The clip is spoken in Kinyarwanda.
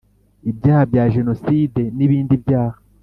Ibyaha bya Jenoside n ibindi byaha